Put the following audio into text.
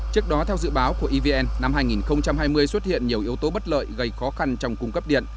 trước đó theo dự báo của evn năm hai nghìn hai mươi xuất hiện nhiều yếu tố bất lợi gây khó khăn trong cung cấp điện